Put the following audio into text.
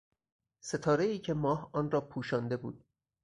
ستارهای که ماه آن را پوشانده بود